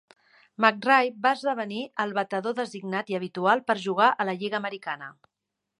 McRae va esdevenir el batedor designat i habitual per jugar a la lliga americana.